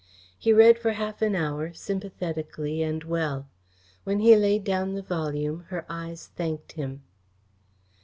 He read for half an hour, sympathetically and well. When he laid down the volume her eyes thanked him.